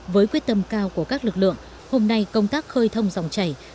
với quyết tâm cao của các lực lượng hôm nay công tác khơi thông dòng chảy